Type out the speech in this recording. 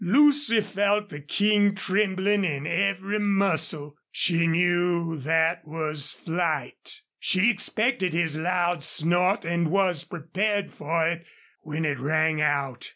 Lucy felt the King trembling in every muscle. She knew that was flight. She expected his loud snort, and was prepared for it when it rang out.